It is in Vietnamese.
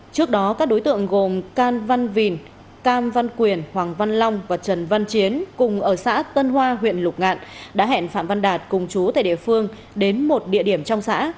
trước đó các đối tượng gồm can văn vìn cam văn quyền hoàng văn long và trần văn chiến cùng ở xã tân hoa huyện lục ngạn đã hẹn phạm văn đạt cùng chú tại địa phương đến một địa điểm trong xã